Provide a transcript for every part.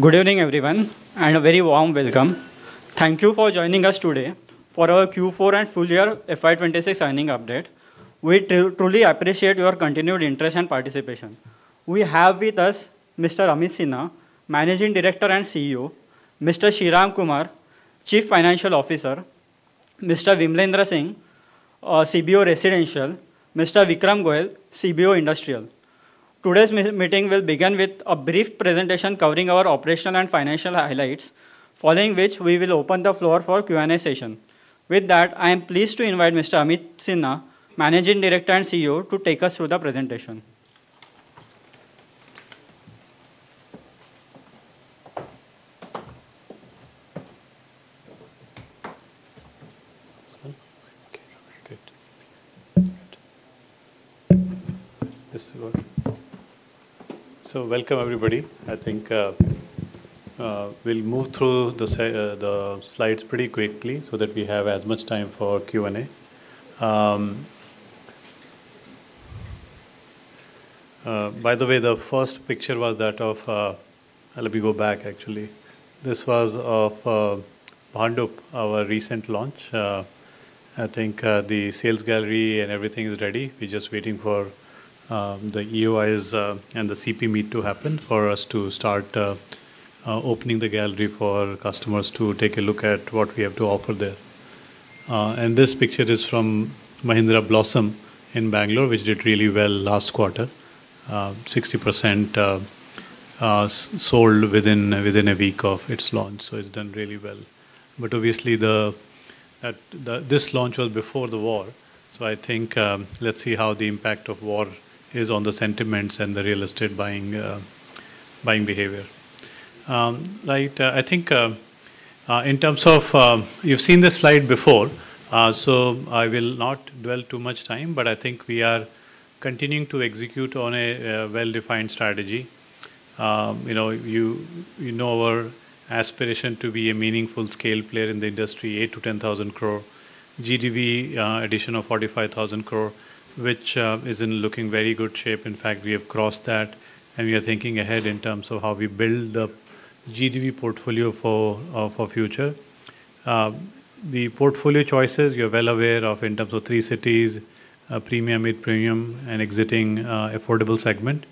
Good evening, everyone, and a very warm welcome. Thank you for joining us today for our Q4 and full year FY 2026 earnings update. We truly appreciate your continued interest and participation. We have with us Mr. Amit Sinha, Managing Director and CEO, Mr. Sriram Kumar, Chief Financial Officer, Mr. Vimalendra Singh, CBO, Residential, Mr. Vikram Goel, CBO, Industrial. Today's meeting will begin with a brief presentation covering our operational and financial highlights, following which we will open the floor for Q&A session. With that, I am pleased to invite Mr. Amit Sinha, Managing Director and CEO, to take us through the presentation. This one? Okay, good. This is working. Welcome, everybody. I think, we'll move through the slides pretty quickly so that we have as much time for Q&A. By the way, the first picture was that of. Let me go back, actually. This was of Bhandup, our recent launch. I think, the sales gallery and everything is ready. We're just waiting for the EOIs and the CP meet to happen for us to start opening the gallery for customers to take a look at what we have to offer there. This picture is from Mahindra Blossom in Bangalore, which did really well last quarter. 60% sold within a week of its launch, so it's done really well. Obviously this launch was before the war, so I think, let's see how the impact of war is on the sentiments and the real estate buying behavior. Right. I think in terms of, You've seen this slide before, so I will not dwell too much time, but I think we are continuing to execute on a well-defined strategy. You know, you know our aspiration to be a meaningful scale player in the industry, 8,000 crore-10,000 crore. GDV, addition of 45,000 crore, which is in looking very good shape. In fact, we have crossed that, and we are thinking ahead in terms of how we build the GDV portfolio for future. The portfolio choices, you're well aware of in terms of three cities, premium, mid-premium and exiting, affordable segment.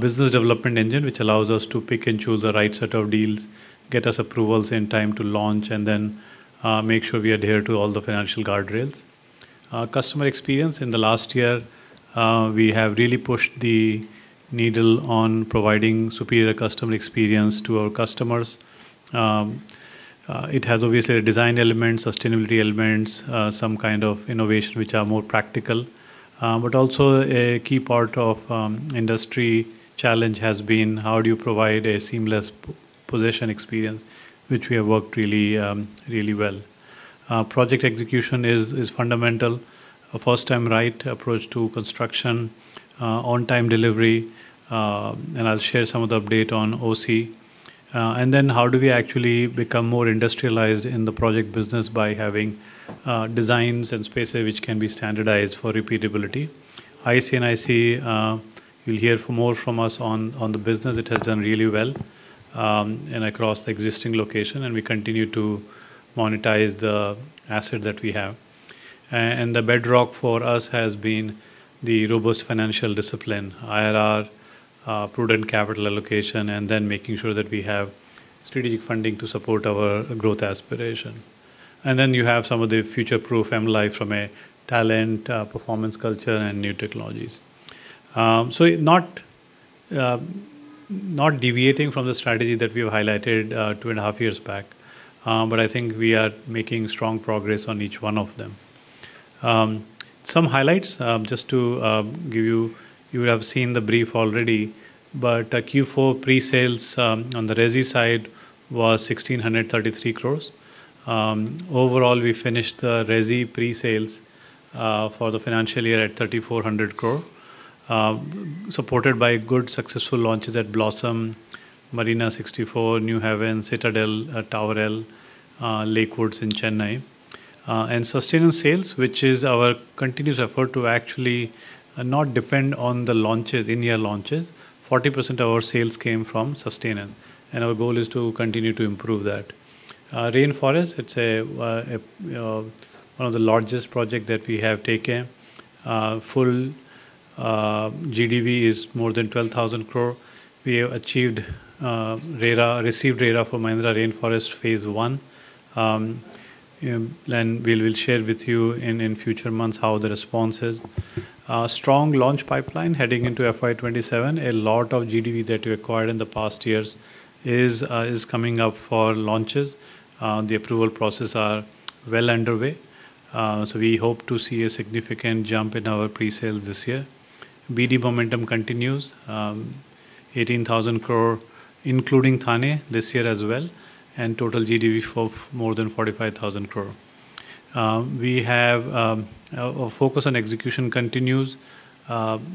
Business development engine, which allows us to pick and choose the right set of deals, get us approvals in time to launch, make sure we adhere to all the financial guardrails. Customer experience. In the last year, we have really pushed the needle on providing superior customer experience to our customers. It has obviously design elements, sustainability elements, some kind of innovation which are more practical. Also a key part of industry challenge has been how do you provide a seamless possession experience, which we have worked really well. Project execution is fundamental. A first-time right approach to construction, on-time delivery, I'll share some of the update on OC. How do we actually become more industrialized in the project business by having designs and spaces which can be standardized for repeatability. IC & IC, you'll hear more from us on the business. It has done really well, across existing location, and we continue to monetize the asset that we have. The bedrock for us has been the robust financial discipline. IRR, prudent capital allocation, making sure that we have strategic funding to support our growth aspiration. You have some of the future-proof MLIFE from a talent, performance culture and new technologies. Not deviating from the strategy that we've highlighted 2.5 years back, we are making strong progress on each one of them. Some highlights, just to give you. You have seen the brief already, Q4 pre-sales on the resi side was 1,633 crore. Overall, we finished the resi pre-sales for the financial year at 3,400 crore. Supported by good successful launches at Mahindra Blossom, Marina 64, New Haven, Mahindra Citadel, Towerelle, Mahindra Lakewoods in Chennai. Sustaining sales, which is our continuous effort to actually not depend on the launches, in-year launches. 40% of our sales came from sustaining, our goal is to continue to improve that. Mahindra Rainforest, it's one of the largest project that we have taken. Full GDV is more than 12,000 crore. We have achieved RERA, received RERA for Mahindra Rainforest Phase 1. We will share with you in future months how the response is. Strong launch pipeline heading into FY 2027. A lot of GDV that we acquired in the past years is coming up for launches. The approval process are well underway. We hope to see a significant jump in our pre-sale this year. BD momentum continues. 18,000 crore, including Thane this year as well, total GDV for more than 45,000 crore. We have a focus on execution continues.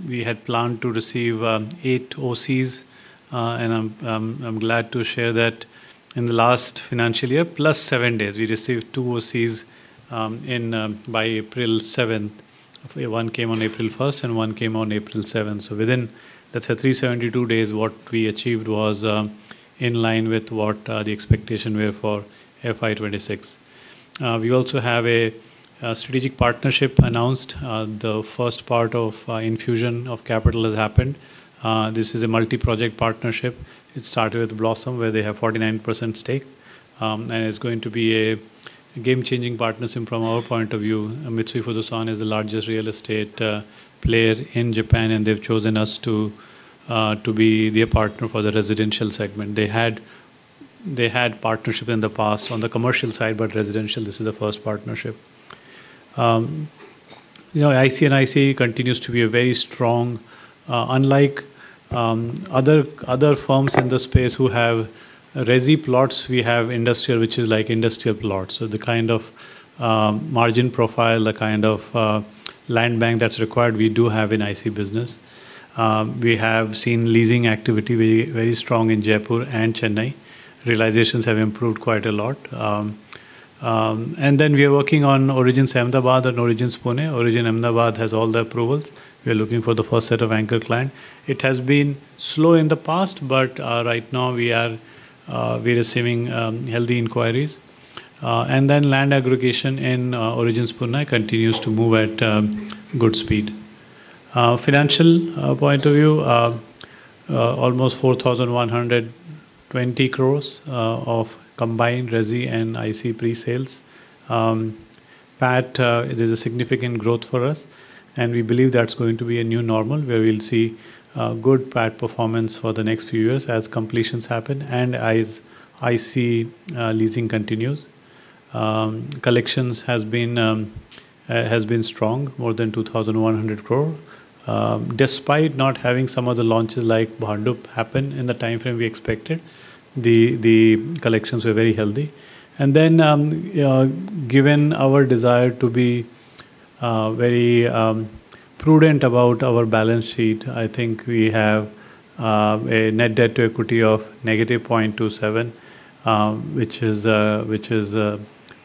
We had planned to receive eight OCs, I'm glad to share that in the last financial year, +7 days, we received two OCs by April 7. One came on April 1 and one came on April 7. Within, let's say 372 days, what we achieved was in line with what the expectation were for FY 2026. We also have a strategic partnership announced. The first part of infusion of capital has happened. This is a multi-project partnership. It started with Blossom, where they have 49% stake, and it's going to be a game-changing partnership from our point of view. Mitsui Fudosan is the largest real estate player in Japan, they've chosen us to be their partner for the residential segment. They had partnership in the past on the commercial side, residential, this is the first partnership. You know, IC & IC continues to be a very strong, unlike other firms in the space who have resi plots, we have industrial, which is like industrial plots. The kind of margin profile, the kind of land bank that's required, we do have in IC business. We have seen leasing activity very strong in Jaipur and Chennai. Realizations have improved quite a lot. We are working on Origins, Ahmedabad and Origins, Pune. Origins, Ahmedabad has all the approvals. We are looking for the first set of anchor client. It has been slow in the past. Right now we are receiving healthy inquiries. Land aggregation in Origins, Pune continues to move at good speed. Financial point of view, almost 4,120 crore of combined resi and IC pre-sales. PAT, it is a significant growth for us. We believe that's going to be a new normal, where we'll see good PAT performance for the next few years as completions happen and as IC leasing continues. Collections has been strong, more than 2,100 crore. Despite not having some of the launches like Bhandup happen in the timeframe we expected, the collections were very healthy. Given our desire to be very prudent about our balance sheet, I think we have a net debt to equity of -0.27,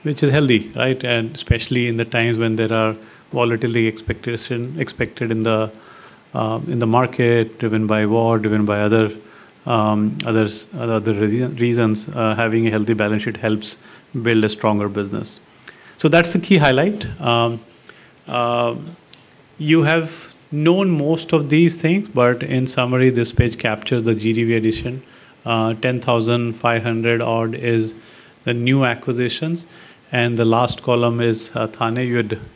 which is healthy, right? Especially in the times when there are volatility expected in the market, driven by war, driven by other reasons, having a healthy balance sheet helps build a stronger business. That's the key highlight. You have known most of these things, in summary, this page captures the GDV addition. 10,500 odd is the new acquisitions, the last column is Thane.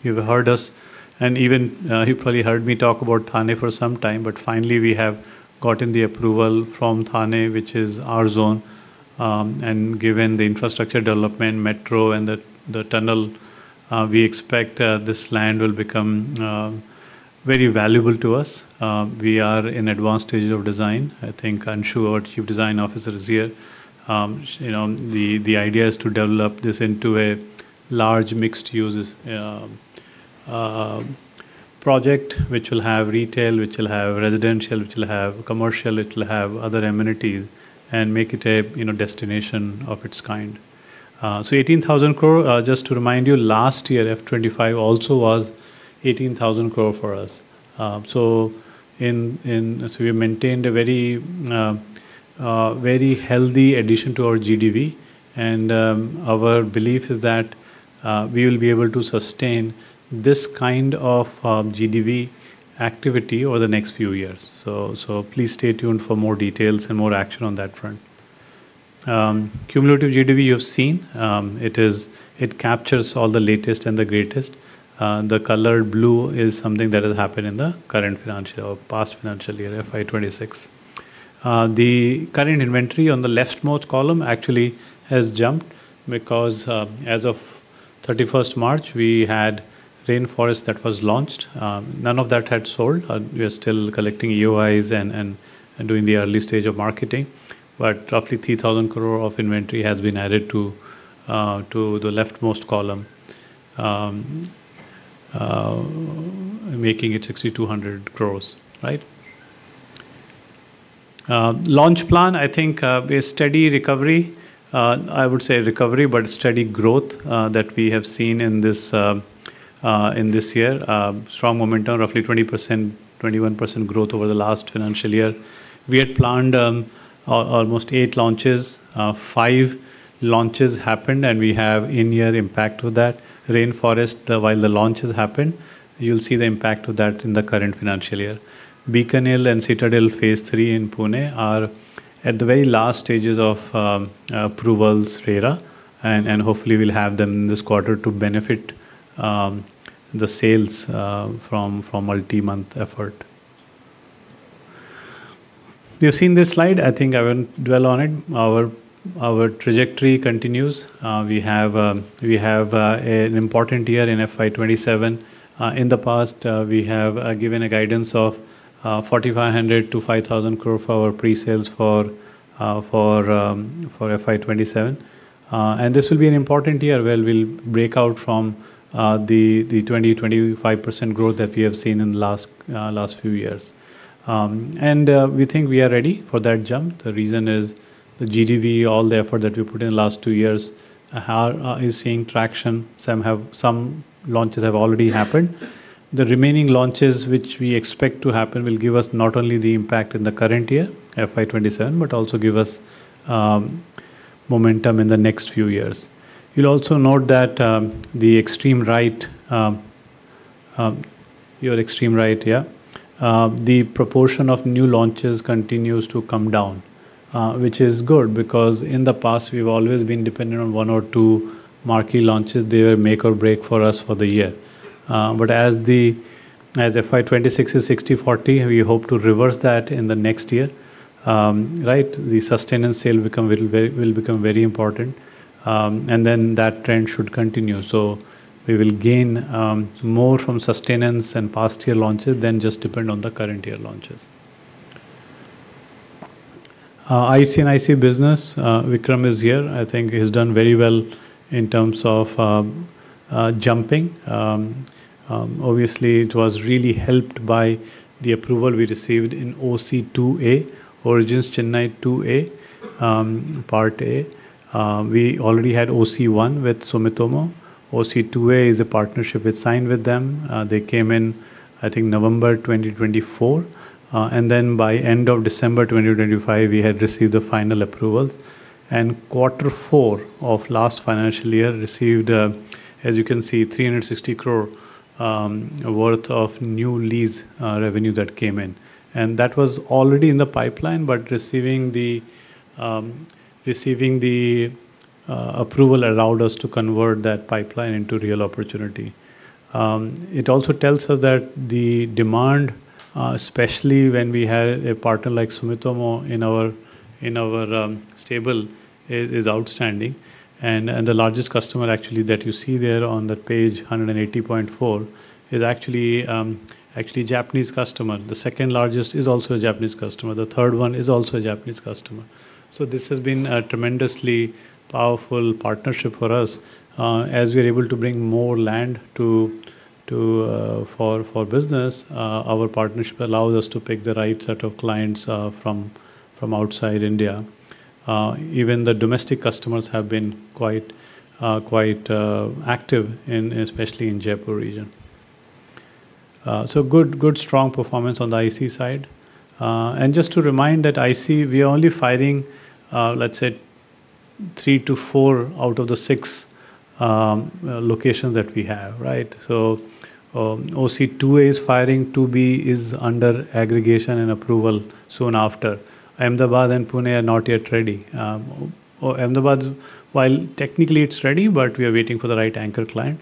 You've heard us, and even, you probably heard me talk about Thane for some time. Finally, we have gotten the approval from Thane, which is our zone. Given the infrastructure development, metro, and the tunnel, we expect this land will become very valuable to us. We are in advanced stages of design, I think. Anshu, our chief design officer, is here. You know, the idea is to develop this into a large mixed-use project which will have retail, which will have residential, which will have commercial, it'll have other amenities, and make it a, you know, destination of its kind. 18,000 crore. Just to remind you, last year, FY 2025 also was 18,000 crore for us. We have maintained a very healthy addition to our GDV. Our belief is that we will be able to sustain this kind of GDV activity over the next few years. Please stay tuned for more details and more action on that front. Cumulative GDV you've seen. It is. It captures all the latest and the greatest. The color blue is something that has happened in the current financial or past financial year, FY 2026. The current inventory on the leftmost column actually has jumped because, as of March 31, we had Mahindra Rainforest that was launched. None of that had sold. We are still collecting EOIs and doing the early stage of marketing. Roughly 3,000 crore of inventory has been added to the leftmost column, making it INR 6,200 crore, right? Launch plan, I think, a steady recovery. I would say recovery, but steady growth that we have seen in this year. Strong momentum, roughly 20%, 21% growth over the last financial year. We had planned almost eight launches. fie launches happened, and we have in-year impact with that. Rainforest, while the launch has happened, you will see the impact of that in the current financial year. Beacon Hill and Citadel Phase 3 in Pune are at the very last stages of approvals RERA, and hopefully we will have them this quarter to benefit the sales from multi-month effort. You've seen this slide. I think I won't dwell on it. Our trajectory continues. We have an important year in FY 2027. In the past, we have given a guidance of 4,500 crore-5,000 crore for our pre-sales for FY 2027. This will be an important year where we'll break out from the 20%-25% growth that we have seen in the last few years. We think we are ready for that jump. The reason is the GDV, all the effort that we put in last two years, is seeing traction. Some launches have already happened. The remaining launches which we expect to happen will give us not only the impact in the current year, FY 2027, but also give us momentum in the next few years. You'll also note that the extreme right, you're extreme right, yeah. The proportion of new launches continues to come down, which is good because in the past we've always been dependent on one or two marquee launches. They were make or break for us for the year. As the, as FY 2026 is 60/40, we hope to reverse that in the next year. Right? The sustenance sale will become very important, and then that trend should continue. So we will gain more from sustenance and past year launches than just depend on the current year launches. IC and IC business, Vikram is here, I think he's done very well in terms of jumping. Obviously it was really helped by the approval we received in OC 2A, Origins Chennai 2A, part A. We already had OC 1 with Sumitomo. OC 2A is a partnership we signed with them. They came in, I think November 2024. By end of December 2025, we had received the final approvals. Q4 of last financial year received, as you can see, 360 crore worth of new lease revenue that came in. That was already in the pipeline, but receiving the approval allowed us to convert that pipeline into real opportunity. It also tells us that the demand, especially when we have a partner like Sumitomo in our stable is outstanding. The largest customer actually that you see there on the page 180.4 is actually Japanese customer. The second largest is also a Japanese customer. The third one is also a Japanese customer. This has been a tremendously powerful partnership for us as we are able to bring more land for business. Our partnership allows us to pick the right set of clients from outside India. Even the domestic customers have been quite active in, especially in Jaipur region. Good strong performance on the IC side. Just to remind that IC, we are only firing three to four out of the six locations that we have, right? OC 2A is firing, 2B is under aggregation and approval soon after. Ahmedabad and Pune are not yet ready. Ahmedabad, while technically it's ready, but we are waiting for the right anchor client.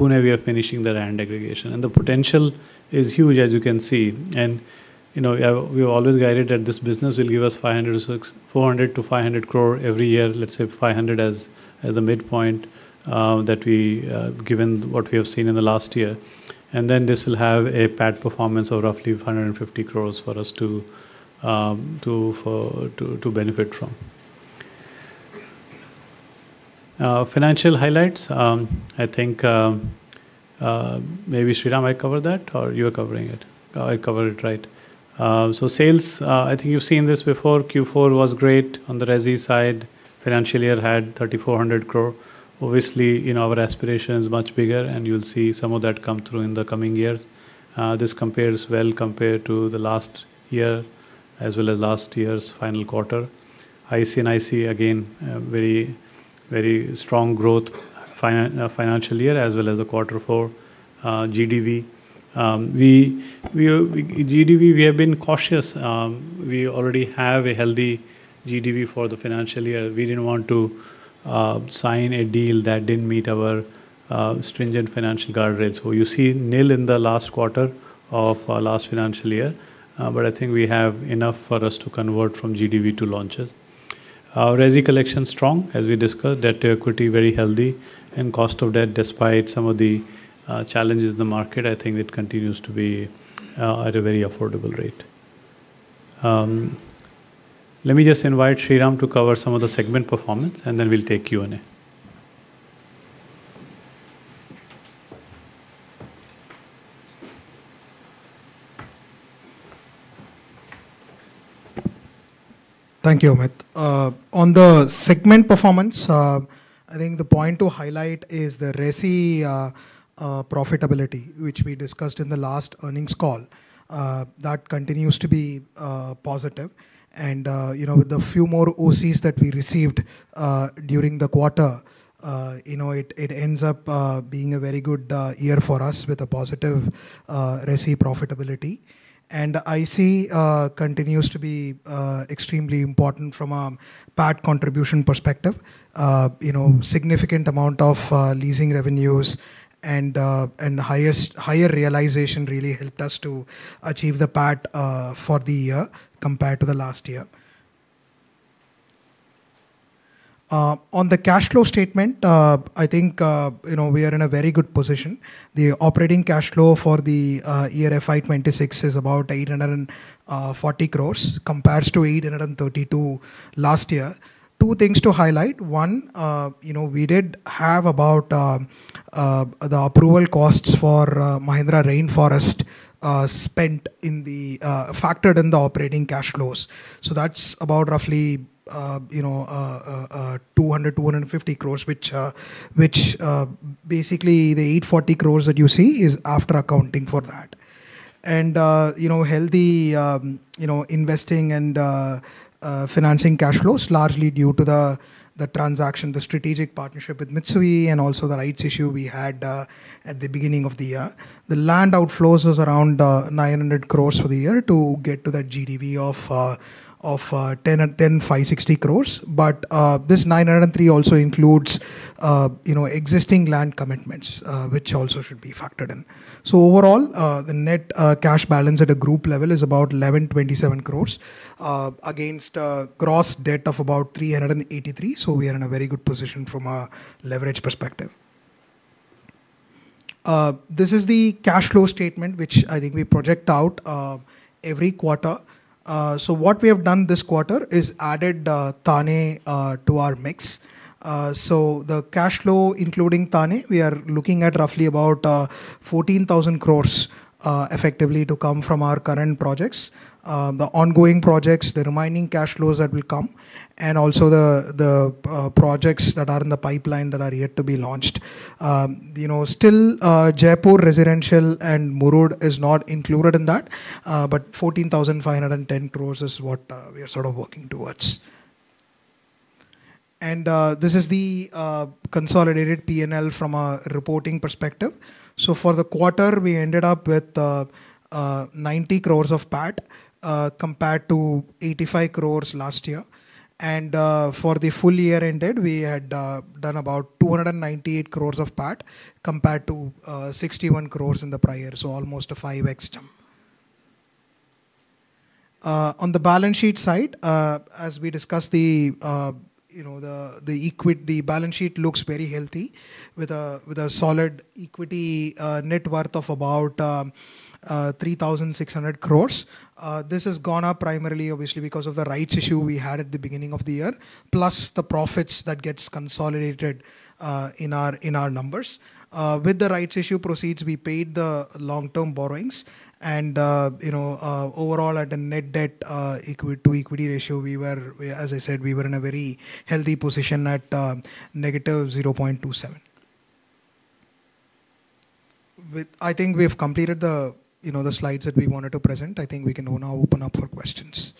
Pune, we are finishing the land aggregation. The potential is huge as you can see. You know, we have always guided that this business will give us 400 crore to 500 crore every year. Let's say 500 crore as a midpoint that we, given what we have seen in the last year. This will have a PAT performance of roughly 550 crore for us to benefit from. Financial highlights. Maybe Sriram might cover that or you are covering it. I cover it, right. Sales, I think you've seen this before. Q4 was great on the resi side. Financial year had 3,400 crore. Obviously, you know, our aspiration is much bigger, and you'll see some of that come through in the coming years. This compares well compared to the last year as well as last year's final quarter. IC and IC, again, a very, very strong growth financial year as well as the quarter four GDV. GDV, we have been cautious. We already have a healthy GDV for the financial year. We didn't want to sign a deal that didn't meet our stringent financial guardrails. You see nil in the last quarter of last financial year, but I think we have enough for us to convert from GDV to launches. Our resi collection strong, as we discussed. Debt to equity very healthy. Cost of debt, despite some of the challenges in the market, I think it continues to be at a very affordable rate. Let me just invite Sriram to cover some of the segment performance, and then we'll take Q&A. Thank you, Amit. On the segment performance, I think the point to highlight is the resi profitability, which we discussed in the last earnings call. That continues to be positive. You know, with the few more OCs that we received during the quarter, you know, it ends up being a very good year for us with a positive resi profitability. IC continues to be extremely important from a PAT contribution perspective. You know, significant amount of leasing revenues and higher realization really helped us to achieve the PAT for the year compared to the last year. On the cash flow statement, I think you know, we are in a very good position. The operating cash flow for the year FY 2026 is about 840 crores compares to 832 last year. Two things to highlight. One, you know, we did have about the approval costs for Mahindra Rainforest spent in the operating cash flows. That's about roughly, you know, 200 crores-250 crores, which basically the 840 crores that you see is after accounting for that. Healthy, you know, investing and financing cash flows largely due to the transaction, the strategic partnership with Mitsui and also the rights issue we had at the beginning of the year. The land outflows was around 900 crores for the year to get to that GDV of 10,560 crores. This 903 also includes, you know, existing land commitments, which also should be factored in. Overall, the net cash balance at a group level is about 1,127 crores against a gross debt of about 383. This is the cash flow statement which I think we project out every quarter. What we have done this quarter is added Thane to our mix. The cash flow including Thane, we are looking at roughly about 14,000 crores effectively to come from our current projects. The ongoing projects, the remaining cash flows that will come, the projects that are in the pipeline that are yet to be launched. You know, still, Jaipur Residential and Murud is not included in that, 14,510 crores is what we are sort of working towards. This is the consolidated P&L from a reporting perspective. For the quarter, we ended up with 90 crores of PAT compared to 85 crores last year. For the full year ended, we had done about 298 crores of PAT compared to 61 crores in the prior, almost a 5x jump. On the balance sheet side, as we discussed, you know, the balance sheet looks very healthy with a solid equity net worth of about 3,600 crores. This has gone up primarily obviously because of the rights issue we had at the beginning of the year, plus the profits that gets consolidated in our numbers. With the rights issue proceeds, we paid the long-term borrowings and, you know, overall at a net debt to equity ratio, as I said, we were in a very healthy position at -0.27. I think we have completed the, you know, the slides that we wanted to present. I think we can now open up for questions.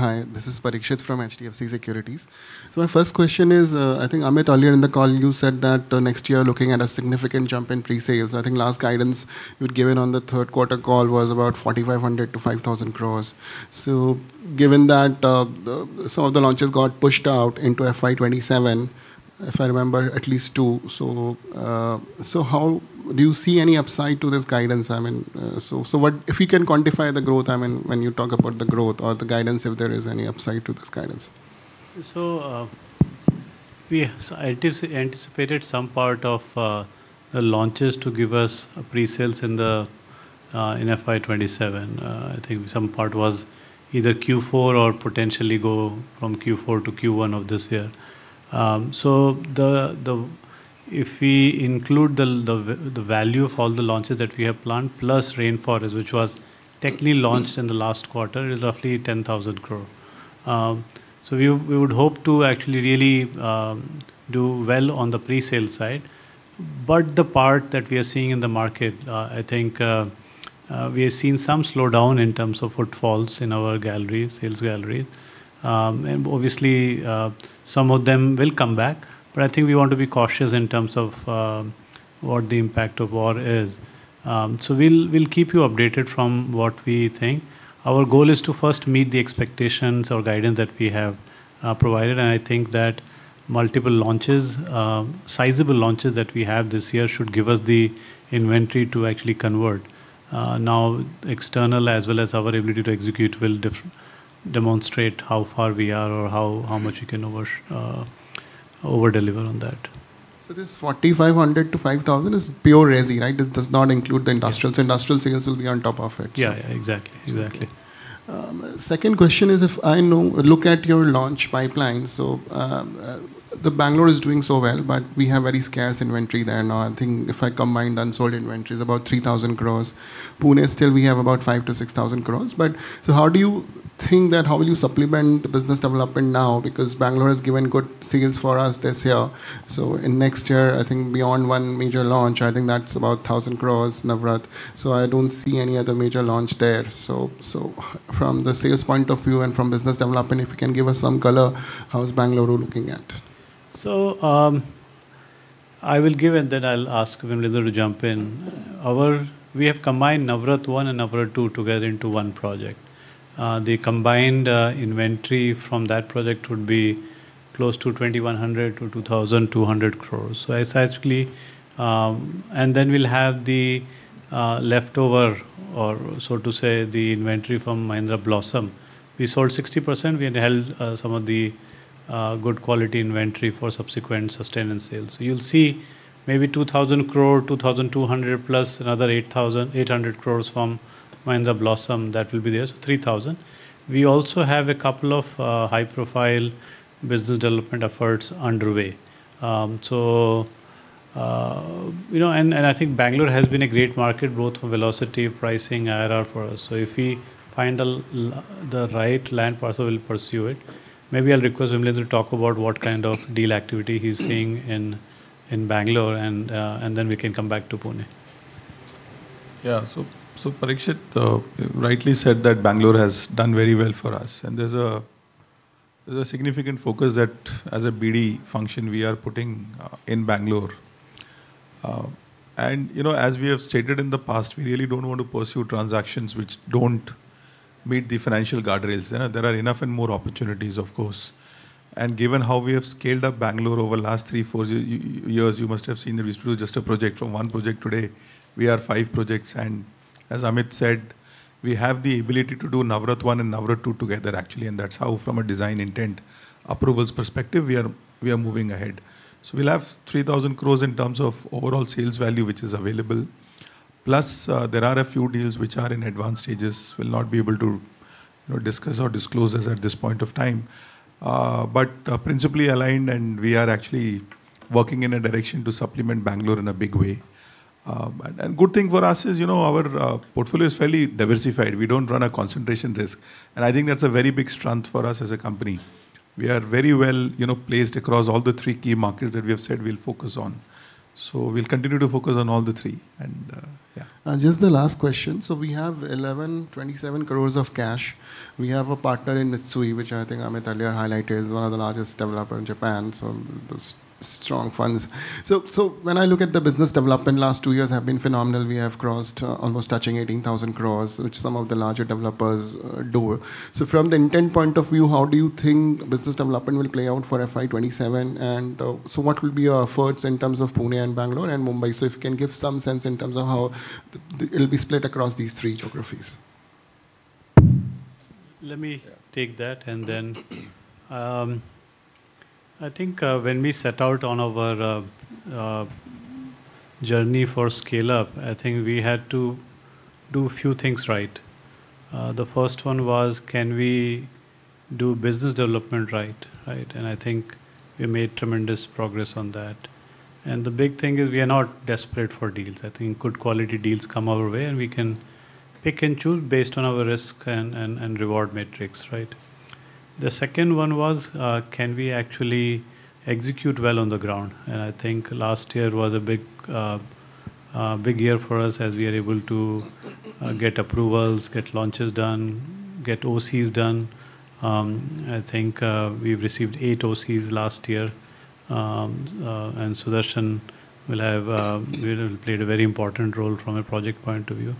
Hi, this is Parikshit from HDFC Securities. My first question is, I think, Amit, earlier in the call you said that next year looking at a significant jump in pre-sales. I think last guidance you'd given on the third quarter call was about 4,500 crore-5,000 crore. Given that the, some of the launches got pushed out into FY 2027, if I remember at least two, how do you see any upside to this guidance? I mean, if you can quantify the growth, I mean, when you talk about the growth or the guidance, if there is any upside to this guidance. We anticipated some part of the launches to give us pre-sales in FY 2027. I think some part was either Q4 or potentially go from Q4 to Q1 of this year. If we include the value of all the launches that we have planned, plus Rainforest, which was technically launched in the last quarter, is roughly 10,000 crore. We would hope to actually really do well on the pre-sale side. The part that we are seeing in the market, I think, we are seeing some slowdown in terms of footfalls in our galleries, Hills Gallery. Obviously, some of them will come back. I think we want to be cautious in terms of what the impact of war is. We'll keep you updated from what we think. Our goal is to first meet the expectations or guidance that we have provided. I think that multiple launches, sizable launches that we have this year should give us the inventory to actually convert. External as well as our ability to execute will demonstrate how far we are or how much we can over-deliver on that. This 4,500-5,000 is pure resi, right? This does not include the industrial. Industrial sales will be on top of it. Yeah, exactly. Exactly. Second question is, look at your launch pipeline. The Bangalore is doing so well, but we have very scarce inventory there now. I think if I combine unsold inventories, about 3,000 crores. Pune still we have about 5,000 crore-6,000 crores. How do you think that, how will you supplement business development now? Bangalore has given good sales for us this year. In next year, I think beyond one major launch, I think that's about 1,000 crores, Navratna. I don't see any other major launch there. From the sales point of view and from business development, if you can give us some color, how is Bangalore looking at? I will give and then I will ask Vimalendra to jump in. We have combined Navratna one and Navratna two together into one project. The combined inventory from that project would be close to 2,100 crores-2,200 crores. Then we will have the leftover or so to say, the inventory from Mahindra Blossom. We sold 60%. We held some of the good quality inventory for subsequent sustained in sales. You will see maybe 2,000 crore, 2,200+ another 800 crores from Mahindra Blossom. That will be there, 3,000. We also have a couple of high profile business development efforts underway. You know, I think Bengaluru has been a great market both for velocity, pricing, IRR for us. If we find the right land parcel, we'll pursue it. Maybe I'll request Vimalendra Singh to talk about what kind of deal activity he's seeing in Bengaluru and then we can come back to Pune. Yeah. Parikshit rightly said that Bangalore has done very well for us, and there's a significant focus that as a BD function we are putting in Bangalore. You know, as we have stated in the past, we really don't want to pursue transactions which don't meet the financial guardrails. You know, there are enough and more opportunities, of course. Given how we have scaled up Bangalore over last three, four years, you must have seen that we used to do just one project. From one project today we are fie projects, and as Amit said, we have the ability to do Navratna 1 and Navratna 2 together actually, that's how from a design intent approvals perspective, we are moving ahead. We'll have 3,000 crores in terms of overall sales value, which is available. Plus, there are a few deals which are in advanced stages. We'll not be able to, you know, discuss or disclose as at this point of time. Principally aligned, and we are actually working in a direction to supplement Bangalore in a big way. Good thing for us is, you know, our portfolio is fairly diversified. We don't run a concentration risk, and I think that's a very big strength for us as a company. We are very well, you know, placed across all the three key markets that we have said we'll focus on. We'll continue to focus on all the three. Yeah. Just the last question. We have 1,127 crores of cash. We have a partner in Mitsui, which I think Amit earlier highlighted, is one of the largest developer in Japan. Those strong funds. When I look at the business development, last two years have been phenomenal. We have crossed almost touching 18,000 crores, which some of the larger developers do. From the intent point of view, how do you think business development will play out for FY 2027? What will be your efforts in terms of Pune and Bangalore and Mumbai? If you can give some sense in terms of how it'll be split across these three geographies. Let me take that. I think when we set out on our journey for scale up, I think we had to do a few things right. The first one was, can we do business development right? Right. I think we made tremendous progress on that. The big thing is we are not desperate for deals. I think good quality deals come our way, and we can pick and choose based on our risk and reward metrics, right? The second one was, can we actually execute well on the ground? I think last year was a big, big year for us as we are able to get approvals, get launches done, get OCs done. I think we've received eight OCs last year. Sudarshan will have really played a very important role from a project point of view.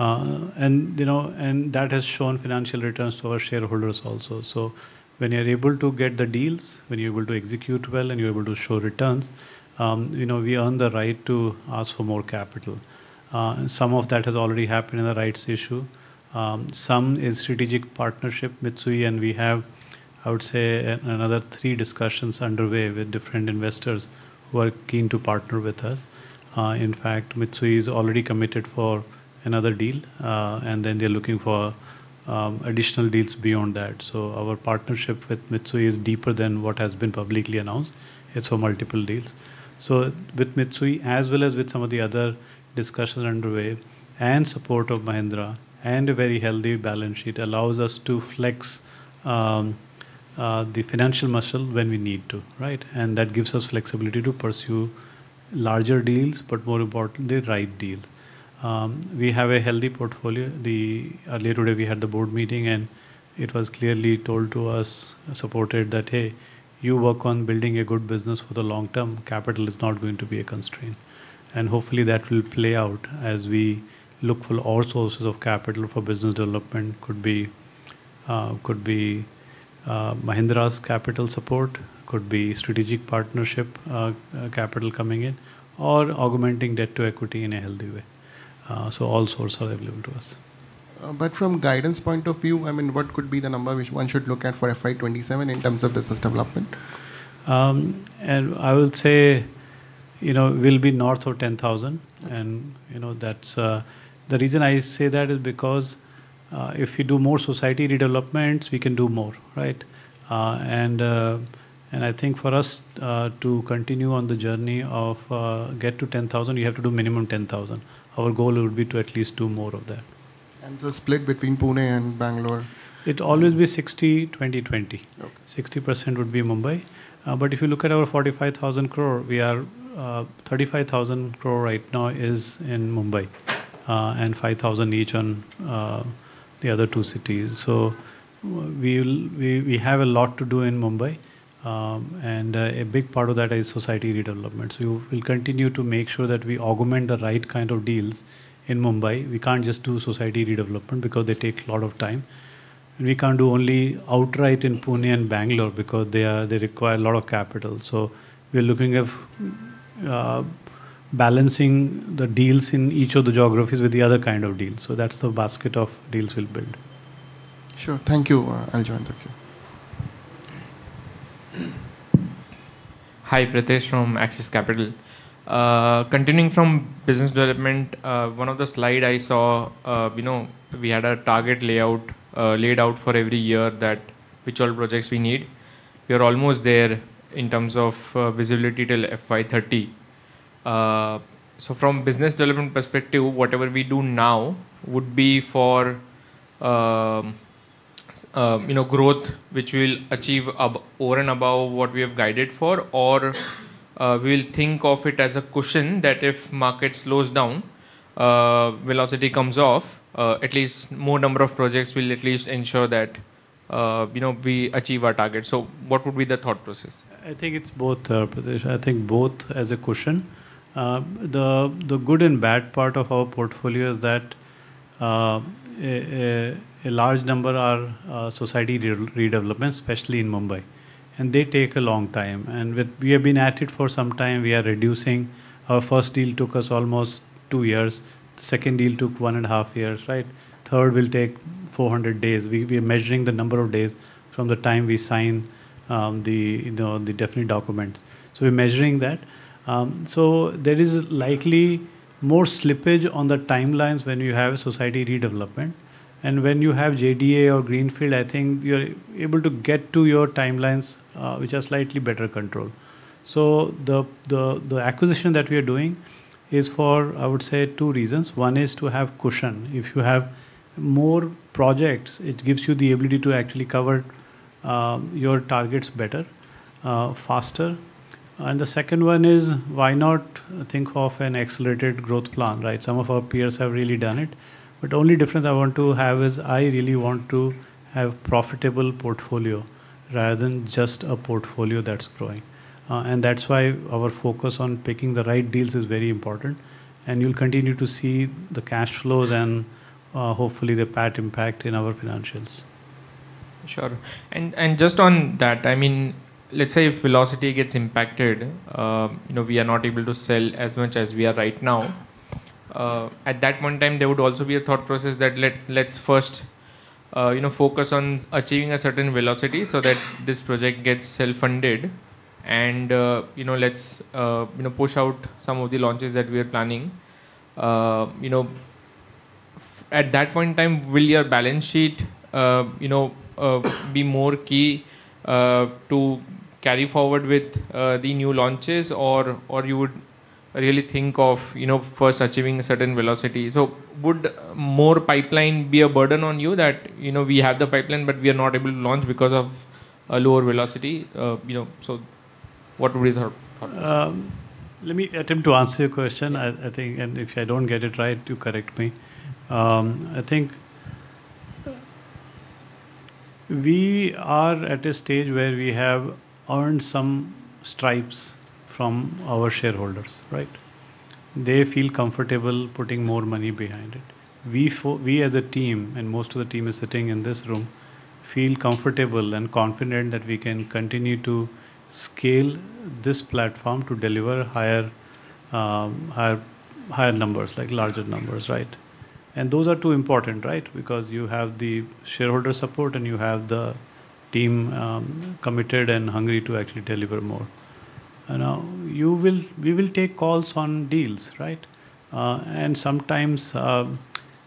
That has shown financial returns to our shareholders also. When you're able to get the deals, when you're able to execute well and you're able to show returns, you know, we earn the right to ask for more capital. Some of that has already happened in the rights issue. Some is strategic partnership, Mitsui, and we have, I would say another three discussions underway with different investors who are keen to partner with us. Mitsui has already committed for another deal, and then they're looking for additional deals beyond that. Our partnership with Mitsui is deeper than what has been publicly announced. It's for multiple deals. With Mitsui, as well as with some of the other discussions underway and support of Mahindra and a very healthy balance sheet allows us to flex the financial muscle when we need to, right? That gives us flexibility to pursue larger deals, but more importantly, the right deals. We have a healthy portfolio. Later today, we had the board meeting, and it was clearly told to us, supported that, "Hey, you work on building a good business for the long term. Capital is not going to be a constraint." Hopefully that will play out as we look for all sources of capital for business development. Could be Mahindra's capital support, could be strategic partnership capital coming in or augmenting debt to equity in a healthy way. All sources are available to us. From guidance point of view, I mean, what could be the number which one should look at for FY 2027 in terms of business development? I would say, you know, we'll be north of 10,000. You know, that's. The reason I say that is because if you do more society redevelopments, we can do more, right? I think for us to continue on the journey of get to 10,000, you have to do minimum 10,000. Our goal would be to at least do more of that. The split between Pune and Bangalore? It always be 60, 20/20. Okay. 60% would be Mumbai. If you look at our 45,000 crore, we are, 35,000 crore right now is in Mumbai, and 5,000 each on the other two cities. We have a lot to do in Mumbai, and a big part of that is society redevelopments. We will continue to make sure that we augment the right kind of deals in Mumbai. We can't just do society redevelopment because they take a lot of time. We can't do only outright in Pune and Bangalore because they require a lot of capital. We are looking of balancing the deals in each of the geographies with the other kind of deals. That's the basket of deals we'll build. Sure. Thank you. I'll join. Thank you. Hi. Pritesh from Axis Capital. Continuing from business development, one of the slide I saw, you know, we had a target layout laid out for every year that which all projects we need. We are almost there in terms of visibility till FY 2030. From business development perspective, whatever we do now would be for, you know, growth, which we'll achieve over and above what we have guided for. We'll think of it as a cushion that if market slows down, velocity comes off, at least more number of projects will at least ensure that, you know, we achieve our target. What would be the thought process? I think it's both, Pritesh. I think both as a cushion. The good and bad part of our portfolio is that a large number are society redevelopments, especially in Mumbai, and they take a long time. We have been at it for some time. We are reducing. Our first deal took us almost two years. The second deal took one and a half years, right? Third will take 400 days. We're measuring the number of days from the time we sign, you know, the definite documents. We're measuring that. There is likely more slippage on the timelines when you have society redevelopment. When you have JDA or greenfield, I think you're able to get to your timelines, which are slightly better controlled. The acquisition that we are doing is for, I would say, two reasons. One is to have cushion. If you have more projects, it gives you the ability to actually cover your targets better, faster. The second one is why not think of an accelerated growth plan, right? Some of our peers have really done it, but the only difference I want to have is I really want to have profitable portfolio rather than just a portfolio that's growing. That's why our focus on picking the right deals is very important, and you'll continue to see the cash flows and hopefully the PAT impact in our financials. Sure. Just on that, I mean, let's say if velocity gets impacted, you know, we are not able to sell as much as we are right now. At that point in time, there would also be a thought process that let's first, you know, focus on achieving a certain velocity so that this project gets self-funded and, you know, let's, you know, push out some of the launches that we are planning. You know, at that point in time, will your balance sheet, you know, be more key to carry forward with the new launches? Or you would really think of, you know, first achieving a certain velocity. Would more pipeline be a burden on you that, you know, we have the pipeline, but we are not able to launch because of a lower velocity? You know, what would be the thought process? Let me attempt to answer your question. I think, and if I don't get it right, you correct me. I think we are at a stage where we have earned some stripes from our shareholders, right? They feel comfortable putting more money behind it. We as a team, and most of the team is sitting in this room, feel comfortable and confident that we can continue to scale this platform to deliver higher numbers, like larger numbers, right? Those are two important, right? Because you have the shareholder support and you have the team committed and hungry to actually deliver more. We will take calls on deals, right? Sometimes,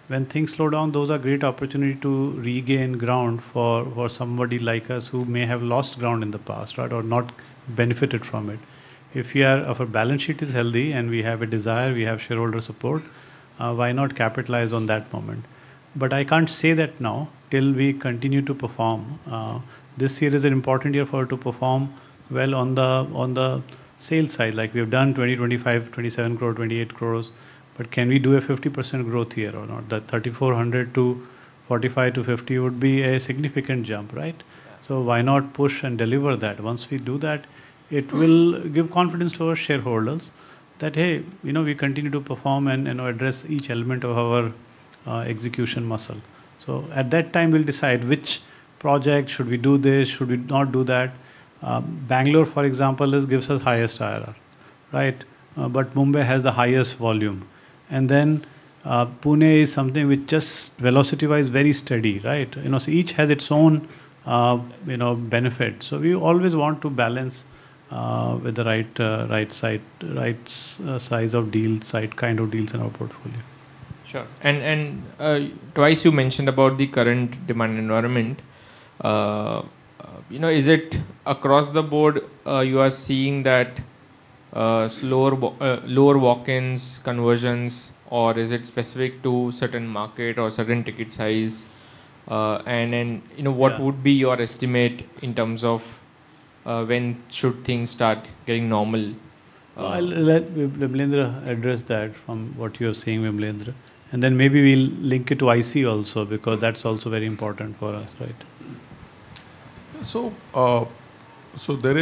when things slow down, those are great opportunity to regain ground for somebody like us who may have lost ground in the past, right? Not benefited from it. If our balance sheet is healthy and we have a desire, we have shareholder support, why not capitalize on that moment? I can't say that now till we continue to perform. This year is an important year for her to perform well on the sales side, like we have done 20 crore, 25 crore, 27 crore, 28 crore. Can we do a 50% growth here or not? That 3,400 crore-INR 4,500crore-INR 5,000 crore would be a significant jump, right? Why not push and deliver that? Once we do that, it will give confidence to our shareholders that, "Hey, you know, we continue to perform and, you know, address each element of our execution muscle." At that time we'll decide which project, should we do this? Should we not do that? Bangalore, for example, gives us highest IRR, right? Mumbai has the highest volume. Pune is something which just velocity-wise very steady, right? You know, each has its own, you know, benefit. We always want to balance with the right site, right size of deal, site kind of deals in our portfolio. Sure. Twice you mentioned about the current demand environment. you know, is it across the board, you are seeing that, lower walk-ins, conversions, or is it specific to certain market or certain ticket size? you know? what would be your estimate in terms of, when should things start getting normal? I'll let Vimalendra address that from what you're seeing, Vimalendra, and then maybe we'll link it to IC also, because that's also very important for us, right?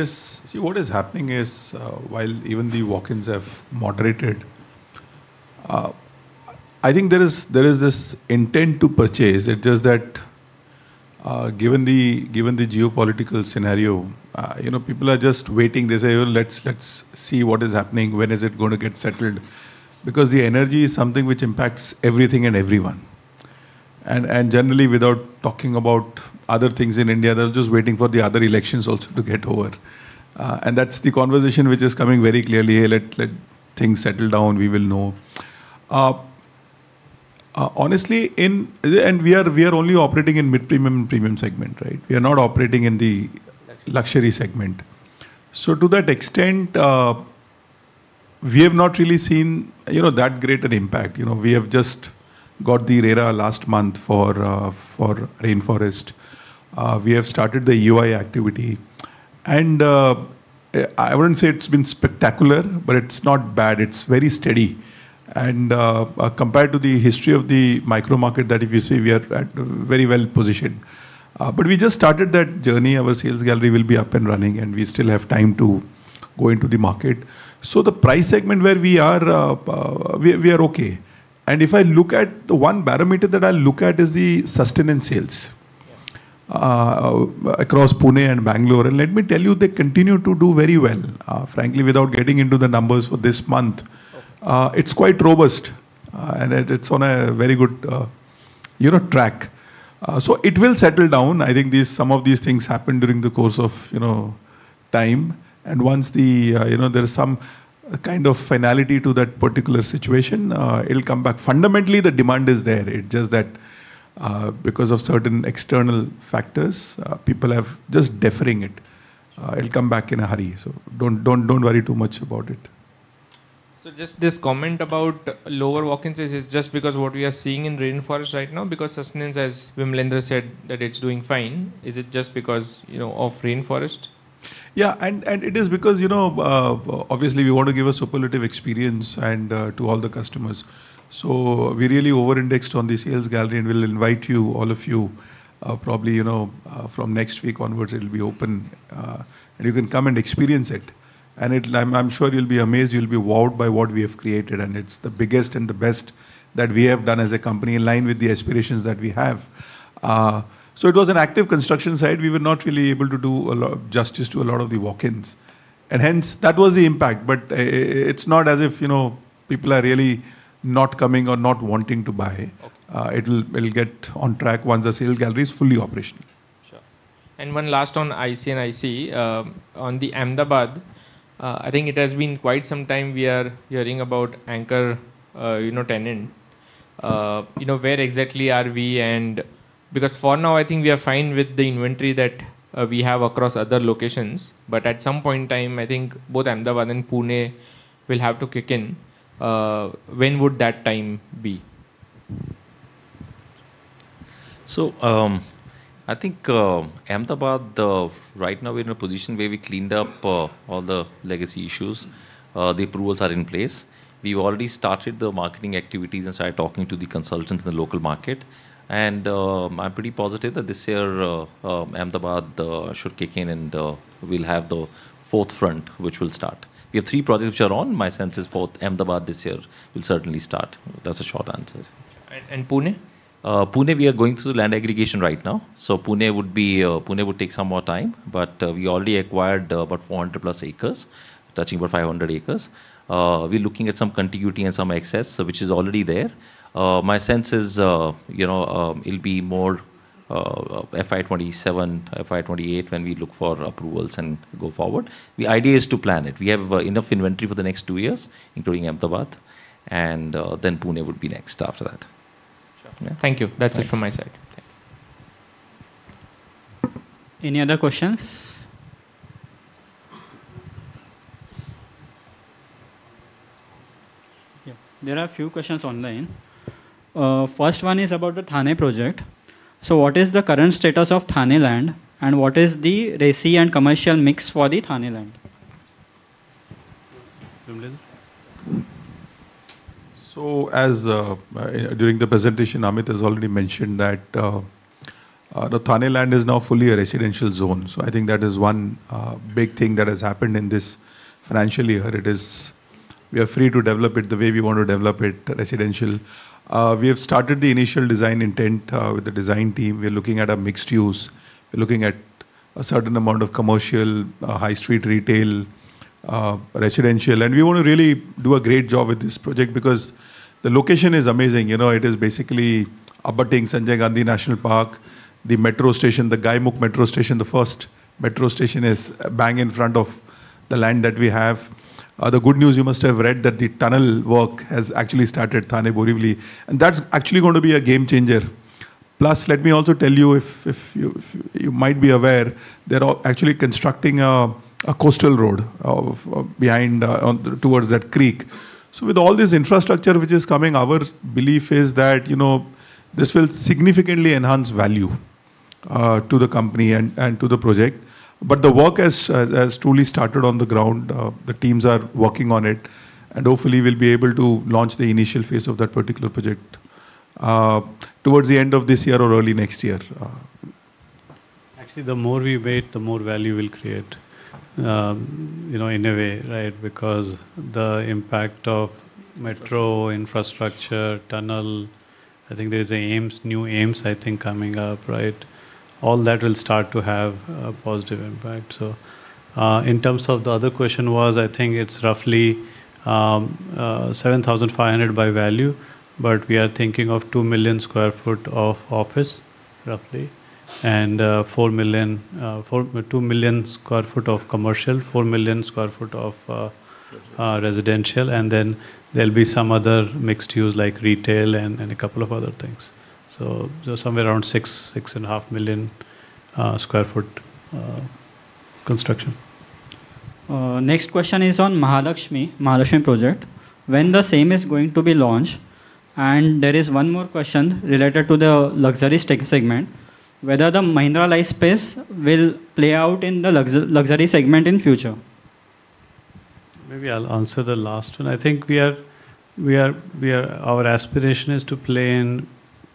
See, what is happening is, while even the walk-ins have moderated, I think there is this intent to purchase. It's just that, given the, given the geopolitical scenario, you know, people are just waiting. They say, "Well, let's see what is happening. When is it gonna get settled?" Because the energy is something which impacts everything and everyone. Generally, without talking about other things in India, they're just waiting for the other elections also to get over. That's the conversation which is coming very clearly. "Let things settle down, we will know." Honestly, in. We are only operating in mid-premium and premium segment, right? We are not operating in the. Luxury... luxury segment. To that extent, we have not really seen, you know, that greater impact. You know, we have just got the RERA last month for Rainforest. We have started the EOI activity. I wouldn't say it's been spectacular, but it's not bad. It's very steady. Compared to the history of the micromarket that if you see, we are very well positioned. We just started that journey. Our sales gallery will be up and running, and we still have time to go into the market. The price segment where we are, we are okay. If I look at the one barometer that I look at is the sustenance sales. Yeah... across Pune and Bangalore. Let me tell you, they continue to do very well. frankly, without getting into the numbers for this month- Okay... it's quite robust. It's on a very good, you know, track. It will settle down. I think these, some of these things happen during the course of, you know, time. Once the, you know, there is some kind of finality to that particular situation, it'll come back. Fundamentally, the demand is there. It's just that, because of certain external factors, people have just deferring it. It'll come back in a hurry, don't worry too much about it. Just this comment about lower walk-ins, is just because what we are seeing in Rainforest right now? Because sustenance, as Vimalendra said, that it's doing fine. Is it just because, you know, of Rainforest? Yeah. It is because, you know, obviously we want to give a superlative experience and to all the customers. We really over-indexed on the sales gallery, we'll invite you, all of you, probably, you know, from next week onwards it'll be open, you can come and experience it. I'm sure you'll be amazed, you'll be wowed by what we have created, it's the biggest and the best that we have done as a company in line with the aspirations that we have. It was an active construction site. We were not really able to do a lot of justice to a lot of the walk-ins, and hence that was the impact. It's not as if, you know, people are really not coming or not wanting to buy. Okay. It'll get on track once the sales gallery is fully operational. Sure. One last on IC&IC. On the Ahmedabad, I think it has been quite some time we are hearing about anchor, you know, tenant. You know, where exactly are we? For now, I think we are fine with the inventory that we have across other locations, but at some point in time, I think both Ahmedabad and Pune will have to kick in. When would that time be? I think Ahmedabad right now we're in a position where we cleaned up all the legacy issues. The approvals are in place. We've already started the marketing activities and started talking to the consultants in the local market. I'm pretty positive that this year Ahmedabad should kick in and we'll have the fourth front which will start. We have three projects which are on. My sense is fourth, Ahmedabad this year will certainly start. That's a short answer. Pune? Pune, we are going through land aggregation right now. Pune would be, Pune would take some more time, but we already acquired about 400+ acres, touching about 500 acres. We're looking at some continuity and some excess, which is already there. My sense is, you know, it'll be more FY 2027, FY 2028, when we look for approvals and go forward. The idea is to plan it. We have enough inventory for the next two years, including Ahmedabad, then Pune would be next after that. Sure. Yeah. Thank you. That's it from my side. Thanks. Any other questions? Yeah. There are a few questions online. First one is about the Thane project. What is the current status of Thane land, and what is the resi and commercial mix for the Thane land? Vimalendra. During the presentation, Amit has already mentioned that the Thane land is now fully a residential zone. We are free to develop it the way we want to develop it, the residential. We have started the initial design intent with the design team. We are looking at a mixed use. We're looking at a certain amount of commercial, high street retail, residential. We wanna really do a great job with this project because the location is amazing. You know, it is basically abutting Sanjay Gandhi National Park. The metro station, the Gaimukh metro station, the first metro station is bang in front of the land that we have. The good news, you must have read that the tunnel work has actually started Thane-Borivali, that's actually going to be a game changer. Let me also tell you if you might be aware, they're actually constructing a coastal road behind, on, towards that creek. With all this infrastructure which is coming, our belief is that, you know, this will significantly enhance value to the company and to the project. The work has truly started on the ground. The teams are working on it, hopefully we'll be able to launch the initial phase of that particular project towards the end of this year or early next year. The more we wait, the more value we'll create, you know, in a way, right? Because the impact of metro infrastructure, tunnel, I think there's a AIIMS, new AIIMS, I think, coming up, right? All that will start to have a positive impact. In terms of the other question was, I think it's roughly 7,500 crore by value, but we are thinking of 2 million sq ft of office, roughly. 2 million sq ft of commercial, 4 million sq ft of residential, and then there'll be some other mixed use like retail and a couple of other things. So somewhere around 6.5 million sq ft construction. Next question is on Mahalaxmi project. When the same is going to be launched? There is one more question related to the luxury segment. Whether the Mahindra Lifespaces will play out in the luxury segment in future. Maybe I'll answer the last one. I think our aspiration is to play in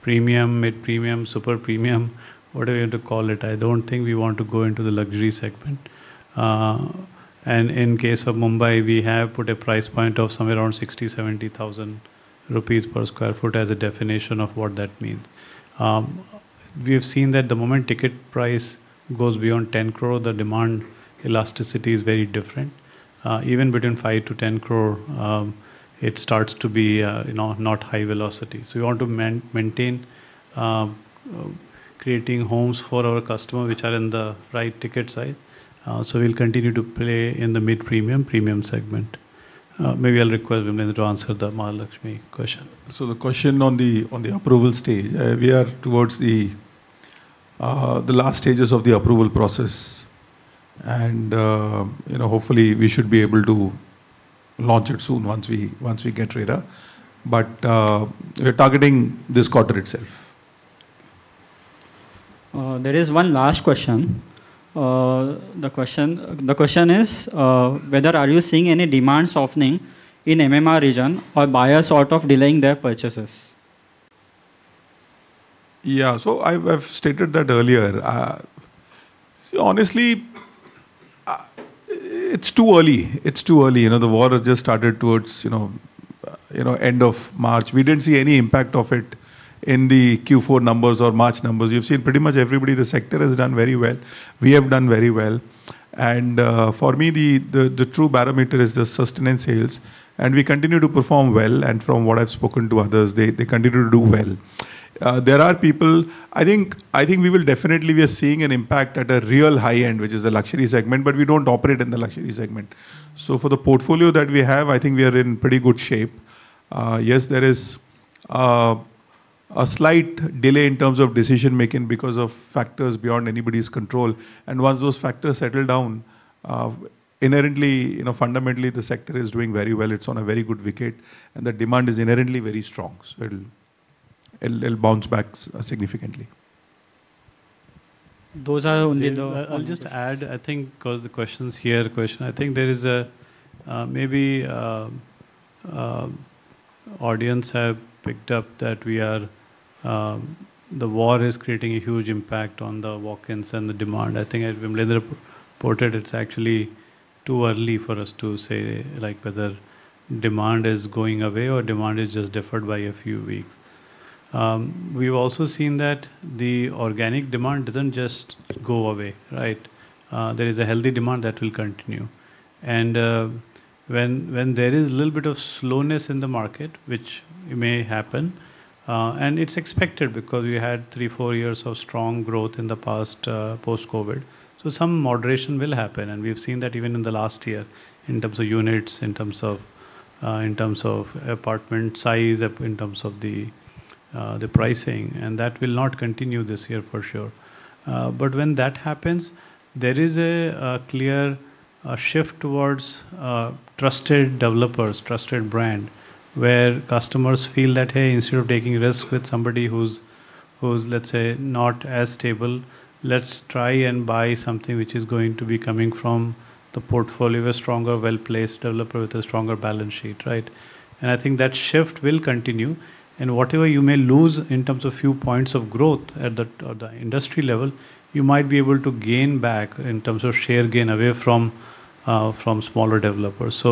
premium, mid-premium, super premium, whatever you want to call it. I don't think we want to go into the luxury segment. In case of Mumbai, we have put a price point of somewhere around 60,000-70,000 rupees per sq ft as a definition of what that means. We have seen that the moment ticket price goes beyond 10 crore, the demand elasticity is very different. Even between 5 crore-10 crore, you know, not high velocity. We want to maintain creating homes for our customer which are in the right ticket side. We'll continue to play in the mid-premium, premium segment. Maybe I'll request Vimalendra to answer the Mahalaxmi question. The question on the approval stage, we are towards the last stages of the approval process and hopefully we should be able to launch it soon once we get RERA. We're targeting this quarter itself. There is one last question. The question is, whether are you seeing any demand softening in MMR Region or buyers sort of delaying their purchases? Yeah. I've stated that earlier. See honestly, it's too early. It's too early. You know, the war has just started towards, you know, end of March. We didn't see any impact of it in the Q4 numbers or March numbers. You've seen pretty much everybody, the sector has done very well. We have done very well. For me, the true barometer is the sustenance sales, and we continue to perform well, and from what I've spoken to others, they continue to do well. There are people. I think we will definitely, we are seeing an impact at a real high end, which is the luxury segment, but we don't operate in the luxury segment. For the portfolio that we have, I think we are in pretty good shape. Yes, there is a slight delay in terms of decision-making because of factors beyond anybody's control. Once those factors settle down, inherently, you know, fundamentally, the sector is doing very well. It's on a very good wicket, and the demand is inherently very strong. It'll bounce back significantly. Those are only the- I'll just add, I think because the questions here, I think there is a audience have picked up that we are the war is creating a huge impact on the walk-ins and the demand. I think as Vimalendra reported, it's actually too early for us to say like whether demand is going away or demand is just deferred by a few weeks. We've also seen that the organic demand doesn't just go away, right? There is a healthy demand that will continue. And when there is little bit of slowness in the market, which may happen, and it's expected because we had three, four years of strong growth in the past, post-COVID. Some moderation will happen, and we've seen that even in the last year in terms of units, in terms of, in terms of apartment size, in terms of the pricing, and that will not continue this year for sure. When that happens, there is a clear shift towards trusted developers, trusted brand, where customers feel that, "Hey, instead of taking risks with somebody who's, let's say, not as stable, let's try and buy something which is going to be coming from the portfolio of a stronger, well-placed developer with a stronger balance sheet," right? I think that shift will continue. Whatever you may lose in terms of few points of growth at the, at the industry level, you might be able to gain back in terms of share gain away from smaller developers.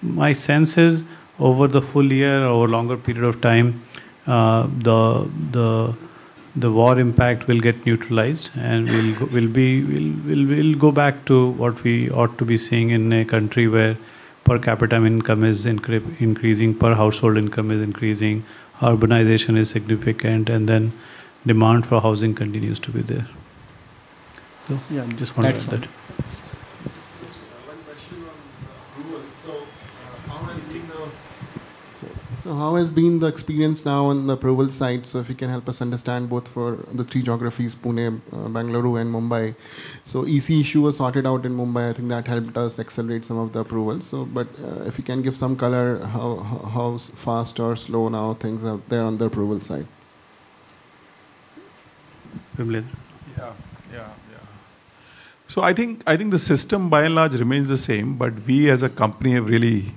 My sense is, over the full year or longer period of time, the war impact will get neutralized and we'll go back to what we ought to be seeing in a country where per capita income is increasing, per household income is increasing, urbanization is significant, and demand for housing continues to be there. Yeah, I just wanted to add that. Excellent. Just one question on approval. How has been the experience now on the approval side? If you can help us understand both for the three geographies, Pune, Bengaluru and Mumbai. EC issue was sorted out in Mumbai. I think that helped us accelerate some of the approvals. If you can give some color, how fast or slow now things are out there on the approval side. Vimalen? Yeah, yeah. I think the system by and large remains the same, but we as a company have really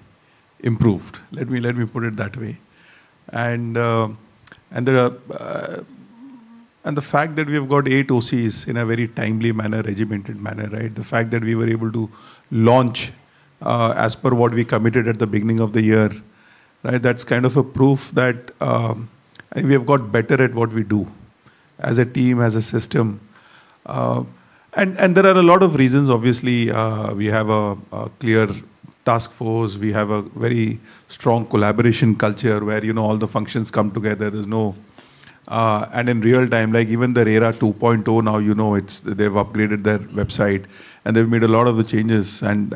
improved. Let me put it that way. The fact that we have got eight OCs in a very timely manner, regimented manner, right? The fact that we were able to launch as per what we committed at the beginning of the year, right? That's kind of a proof that we have got better at what we do as a team, as a system. There are a lot of reasons. Obviously, we have a clear task force. We have a very strong collaboration culture where, you know, all the functions come together. In real-time, like even the RERA 2.0 now, you know, they've upgraded their website, and they've made a lot of the changes, and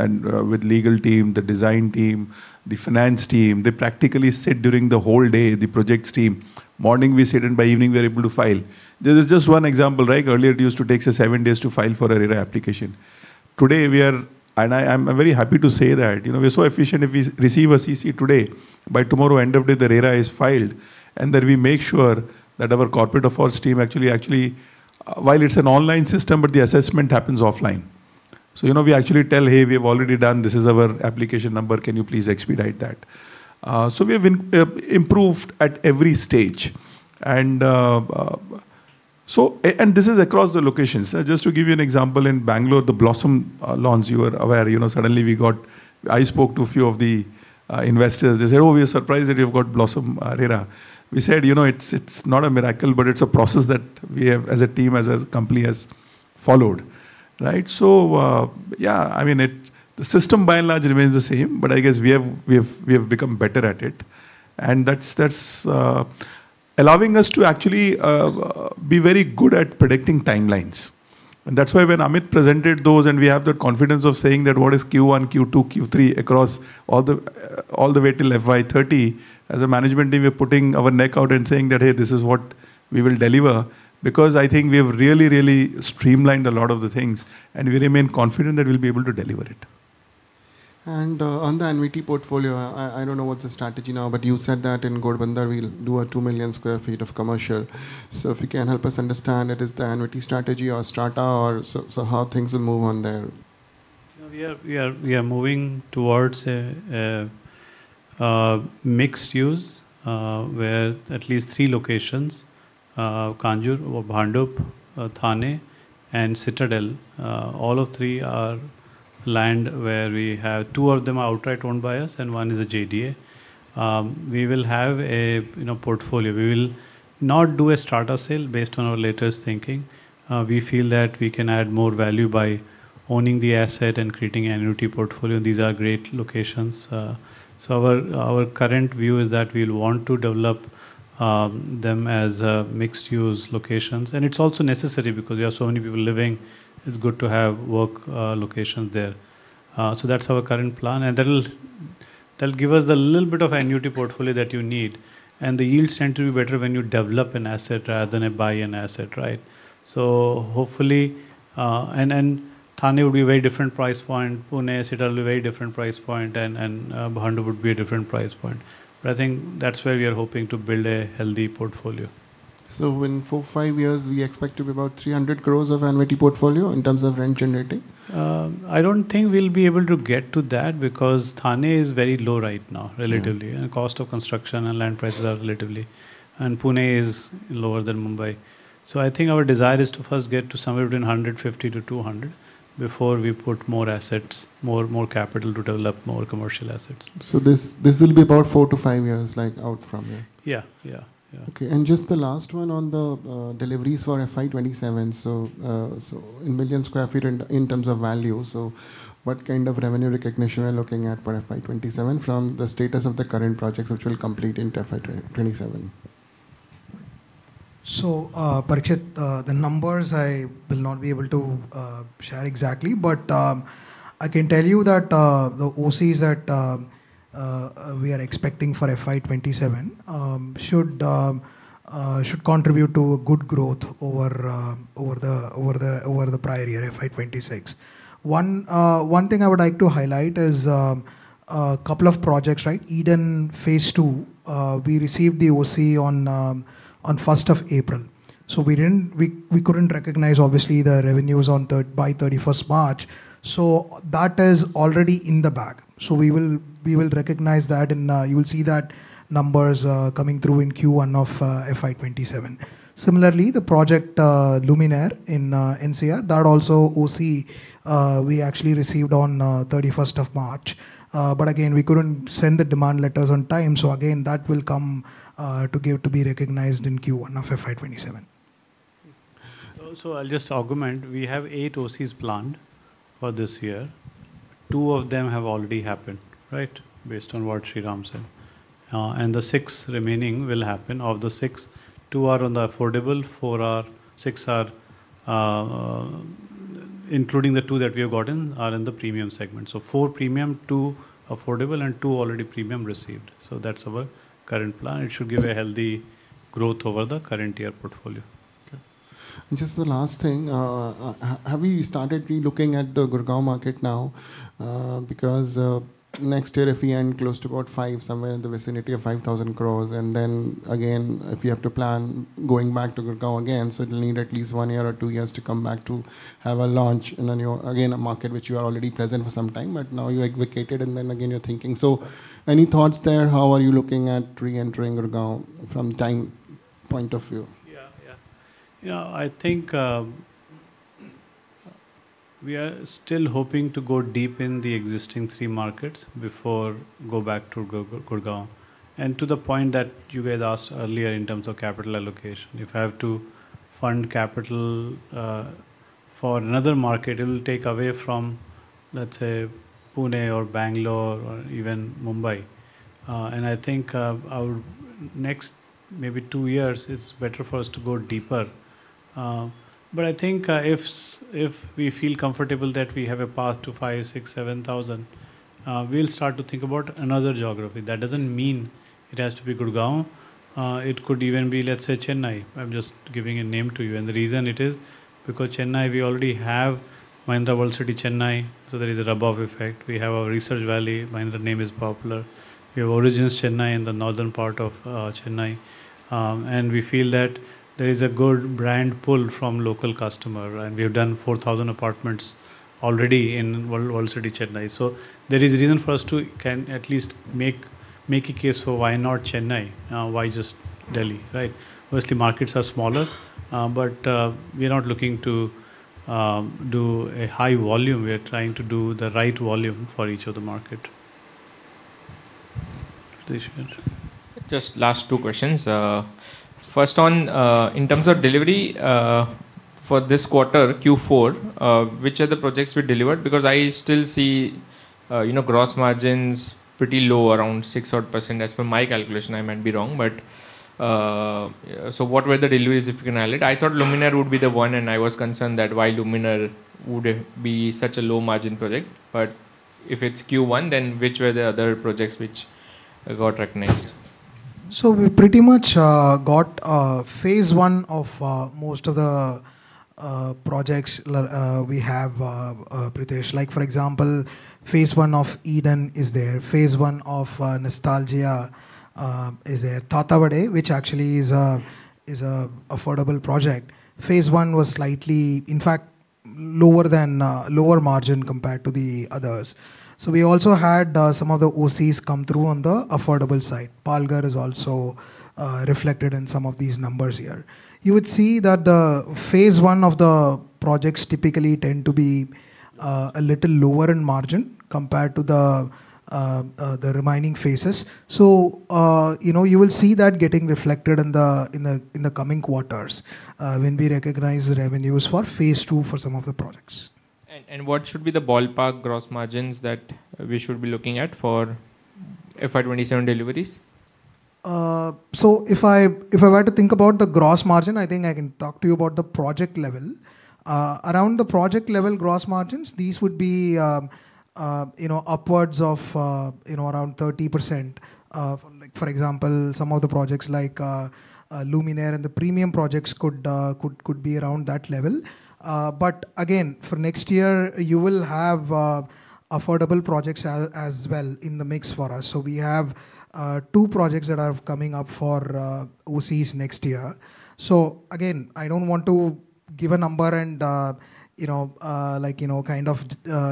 with legal team, the design team, the finance team, they practically sit during the whole day, the projects team. Morning we sit in, by evening we're able to file. This is just one example, right? Earlier it used to take say seen days to file for a RERA application. I'm very happy to say that, you know, we're so efficient if we receive a CC today, by tomorrow end of day the RERA is filed. Then we make sure that our corporate affairs team actually. While it's an online system, but the assessment happens offline. You know, we actually tell, "Hey, we have already done. This is our application number. Can you please expedite that?" We have improved at every stage. This is across the locations. Just to give you an example, in Bangalore, the Blossom lawns, you are aware, you know, suddenly we got. I spoke to a few of the investors. They said, "Oh, we are surprised that you've got Blossom RERA." We said, "You know, it's not a miracle, but it's a process that we have as a team, as a company has followed," right? Yeah, I mean, the system by and large remains the same, but I guess we have become better at it. That's allowing us to actually be very good at predicting timelines. That's why when Amit presented those, and we have the confidence of saying that what is Q one, Q two, Q three across all the way till FY 2030. As a management team, we're putting our neck out and saying that, "Hey, this is what we will deliver." I think we've really, really streamlined a lot of the things, and we remain confident that we'll be able to deliver it. On the annuity portfolio, I don't know what's the strategy now, but you said that in Ghodbunder we'll do a 2 million sq ft of commercial. If you can help us understand, is it the annuity strategy or strata, or how will things move on there? You know, we are moving towards a mixed use, where at least three locations, Kanjur, Bhandup, Thane, and Citadel, all of three are land where we have. Two of them are outright owned by us, and one is a JDA. We will have a, you know, portfolio. We will not do a strata sale based on our latest thinking. We feel that we can add more value by owning the asset and creating an annuity portfolio. These are great locations. Our current view is that we'll want to develop them as mixed use locations. It's also necessary because we have so many people living, it's good to have work locations there. That's our current plan, and that'll give us the little bit of annuity portfolio that you need. The yields tend to be better when you develop an asset rather than buy an asset, right? Hopefully, Thane will be a very different price point. Pune, Citadel will be a very different price point, and Bhandup would be a different price point. I think that's where we are hoping to build a healthy portfolio. In four, five years, we expect to be about 300 crores of annuity portfolio in terms of rent generating? I don't think we'll be able to get to that because Thane is very low right now, relatively. Pune is lower than Mumbai. I think our desire is to first get to somewhere between 150-200 before we put more assets, more capital to develop more commercial assets. This will be about four to five years, like out from here? Yeah, yeah. Okay. Just the last one on the deliveries for FY 2027. In million sq ft, in terms of value. What kind of revenue recognition we're looking at for FY 2027 from the status of the current projects which will complete into FY 2027? Parikshit, the numbers I will not be able to share exactly, but I can tell you that the OCs that we are expecting for FY 2027 should contribute to a good growth over the prior year, FY 2026. One thing I would like to highlight is a couple of projects, right? Eden phase two, we received the OC on 1st of April. We couldn't recognize obviously the revenues by 31st March, so that is already in the bag. We will recognize that in, you will see that numbers coming through in Q1 of FY 2027. Similarly, the project, Luminaire in NCR, that also OC, we actually received on 31 of March. Again, we couldn't send the demand letters on time, again, that will come to be recognized in Q1 of FY 2027. I'll just augment. We have eight OCs planned for this year. Two of them have already happened, right? Based on what Sriram said. The six remaining will happen. Of the six, two are on the affordable, six are, including the two that we have gotten, are in the premium segment. Four premium, two affordable, and two already premium received. That's our current plan. It should give a healthy growth over the current year portfolio. Okay. Just the last thing. Have you started relooking at the Gurgaon market now? Next year if we end close to about 5,000 crores, and then again, if you have to plan going back to Gurgaon again, it'll need at least one year or two years to come back to have a launch in a new, again, a market which you are already present for some time, but now you're like vacated and then again you're thinking. Any thoughts there? How are you looking at re-entering Gurgaon from time point of view? Yeah. Yeah. You know, I think, we are still hoping to go deep in the existing three markets before go back to Gurgaon. To the point that you guys asked earlier in terms of capital allocation, if I have to fund capital, for another market, it'll take away from, let's say, Pune or Bangalore or even Mumbai. I think, our next maybe two years, it's better for us to go deeper. I think, if we feel comfortable that we have a path to 5,000, 6,000, 7,000, we'll start to think about another geography. That doesn't mean it has to be Gurgaon. It could even be, let's say, Chennai. I'm just giving a name to you. The reason it is because Chennai, we already have Mahindra World City, Chennai, so there is a rub off effect. We have our Research Valley. Mahindra name is popular. We have Origins Chennai in the northern part of Chennai, and we feel that there is a good brand pull from local customer, and we have done 4,000 apartments already in World City, Chennai. There is a reason for us to can at least make a case for why not Chennai, why just Delhi, right? Obviously, markets are smaller, but we are not looking to do a high volume. We are trying to do the right volume for each of the market. Pritesh. Just last two questions. First on, in terms of delivery, for this quarter, Q4, which are the projects we delivered? Because I still see, you know, gross margins pretty low, around 6 odd % as per my calculation. I might be wrong. What were the deliveries, if you can highlight? I thought Luminaire would be the one, and I was concerned that why Luminaire would have been such a low margin project. If it's Q1, then which were the other projects which got recognized? We pretty much got phase one of most of the projects. We have Pritesh. Like, for example, phase one of Eden is there. Phase 1 of Nestalgia is there. Tathawade, which actually is an affordable project. Phase 1 was slightly, in fact, lower than lower margin compared to the others. We also had some of the OCs come through on the affordable side. Palghar is also reflected in some of these numbers here. You would see that the phase one of the projects typically tend to be a little lower in margin compared to the remaining phases. You know, you will see that getting reflected in the coming quarters when we recognize the revenues for phase two for some of the projects. What should be the ballpark gross margins that we should be looking at for FY 2027 deliveries? If I were to think about the gross margin, I think I can talk to you about the project level. Around the project level gross margins, these would be, you know, upwards of, you know, around 30%. For like, for example, some of the projects like Luminaire and the premium projects could be around that level. Again, for next year, you will have affordable projects as well in the mix for us. We have two projects that are coming up for OCs next year. Again, I don't want to give a number and, you know, like, you know, kind of,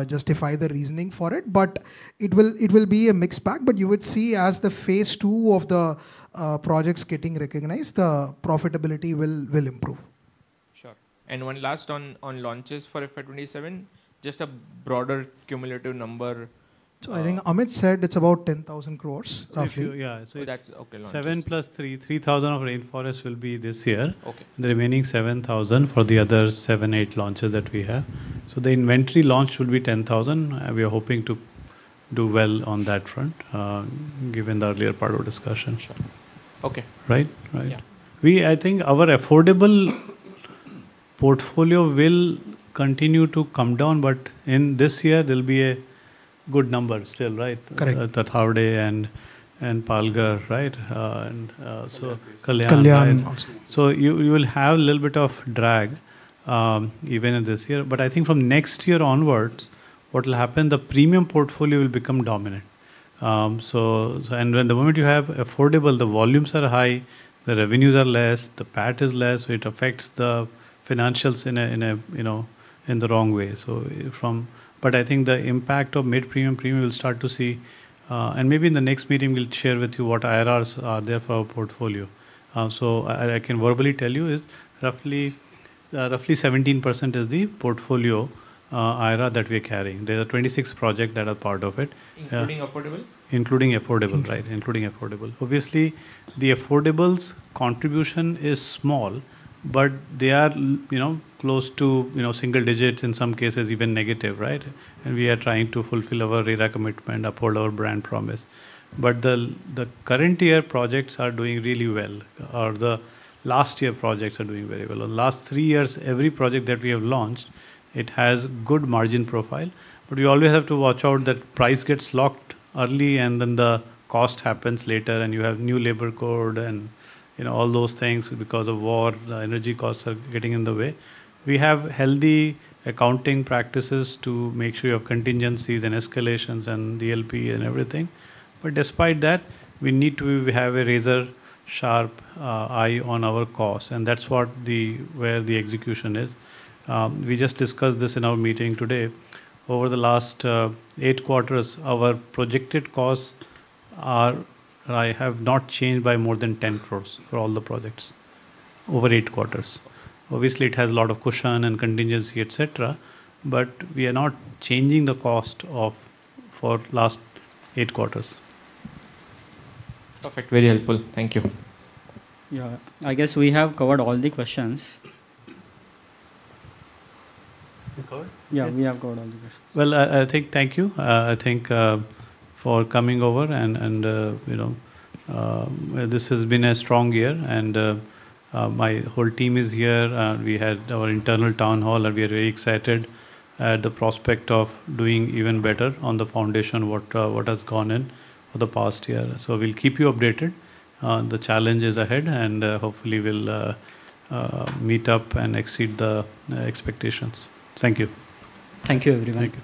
justify the reasoning for it, but it will be a mixed bag. You would see as the Phase 2 of the projects getting recognized, the profitability will improve. Sure. One last on launches for FY 2027, just a broader cumulative number. I think Amit said it's about 10,000 crores roughly. If you, yeah. That's okay launches. 7+3. 3,000 of Rainforest will be this year. Okay. The remaining 7,000 for the other seven, eight launches that we have. The inventory launch should be 10,000. We are hoping to do well on that front, given the earlier part of discussion. Sure. Okay. Right? Right. Yeah. I think our affordable portfolio will continue to come down, but in this year there'll be a good number still, right? Correct. Tathawade and Palghar, right? Kalyan also. You, you will have a little bit of drag even in this year. I think from next year onwards, what will happen, the premium portfolio will become dominant. The moment you have affordable, the volumes are high, the revenues are less, the PAT is less, it affects the financials in a, in a, you know, in the wrong way. I think the impact of mid-premium, premium, we'll start to see, and maybe in the next meeting we'll share with you what IRRs are there for our portfolio. I can verbally tell you is roughly 17% is the portfolio IRR that we are carrying. There are 26 project that are part of it. Including affordable? Including affordable, right. Including affordable. Obviously, the affordable's contribution is small, but they are, you know, close to, you know, single digits, in some cases even negative, right? We are trying to fulfill our IRR commitment, uphold our brand promise. The current year projects are doing really well. The last year projects are doing very well. The last three years, every project that we have launched, it has good margin profile. We always have to watch out that price gets locked early and then the cost happens later, and you have new labor code and, you know, all those things because of war, the energy costs are getting in the way. We have healthy accounting practices to make sure we have contingencies and escalations and DLP and everything. Despite that, we need to have a razor-sharp eye on our costs, and that's where the execution is. We just discussed this in our meeting today. Over the last eight quarters, our projected costs have not changed by more than 10 crores for all the projects, over eight quarters. Obviously, it has a lot of cushion and contingency, et cetera, but we are not changing the cost for last eight quarters. Perfect. Very helpful. Thank you. Yeah. I guess we have covered all the questions. We covered? We have covered all the questions. I think thank you, I think, for coming over and, you know, this has been a strong year and my whole team is here. We had our internal town hall, and we are very excited at the prospect of doing even better on the foundation what has gone in for the past year. We'll keep you updated on the challenges ahead, and hopefully we'll meet up and exceed the expectations. Thank you. Thank you, everyone. Thank you.